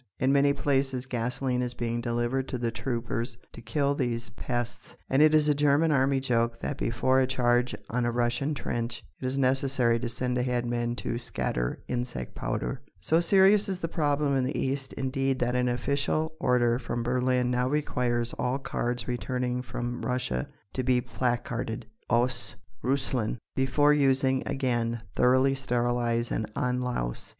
In many places gasoline is being delivered to the troopers to kill these pests, and it is a German army joke that before a charge on a Russian trench it is necessary to send ahead men to scatter insect powder! So serious is the problem in the east indeed that an official order from Berlin now requires all cars returning from Russia to be placarded "Aus Russland! Before using again thoroughly sterilise and unlouse!"